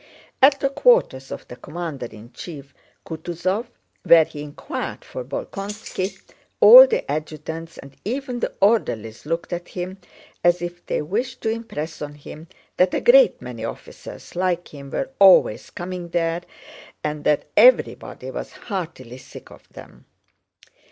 At the quarters of the commander in chief, Kutúzov, where he inquired for Bolkónski, all the adjutants and even the orderlies looked at him as if they wished to impress on him that a great many officers like him were always coming there and that everybody was heartily sick of them.